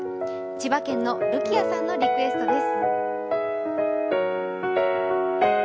千葉県のるきあさんのリクエストです。